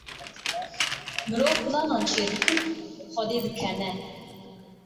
Mirov planan çêdikin, Xwedê dikene.